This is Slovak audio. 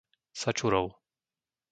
Sačurov